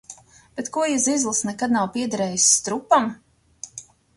Bet ko ja zizlis nekad nav piederējis Strupam?